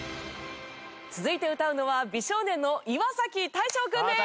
続いて歌うのは美少年の岩大昇くんです。